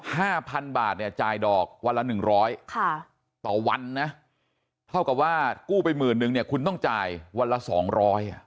ห้าพันบาทเนี่ยจ่ายดอกวันละหนึ่งร้อยค่ะต่อวันนะเท่ากับว่ากู้ไปหมื่นนึงเนี่ยคุณต้องจ่ายวันละสองร้อยอ่ะ